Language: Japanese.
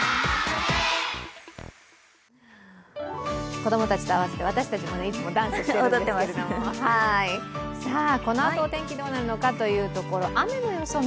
子供たちと合わせて私たちもいつもダンスしてるんですけどもさあ、このあと、お天気どうなるのかというところ。